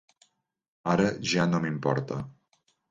Ara ja no m'importa.